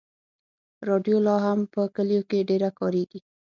راډیو لا هم په کلیو کې ډېره کارېږي.